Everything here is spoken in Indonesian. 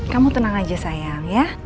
kamu tenang aja sayang ya